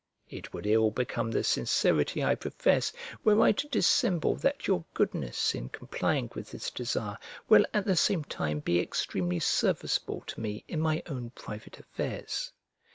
It would ill become the sincerity I profess, were I to dissemble that your goodness in complying with this desire will at the same time be extremely serviceable to me in my own private affairs.